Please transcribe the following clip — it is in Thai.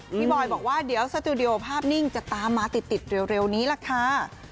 บอยบอกว่าเดี๋ยวสตูดิโอภาพนิ่งจะตามมาติดเร็วนี้ล่ะค่ะ